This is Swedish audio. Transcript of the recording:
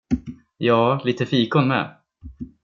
Ja, lite fikon med.